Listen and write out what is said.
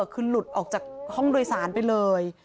คือหลุดออกจากห้องโดยสารไปเลย